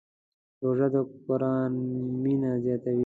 روژه د قرآن مینه زیاتوي.